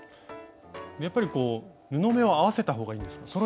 やっぱり布目を合わせた方がいいですか？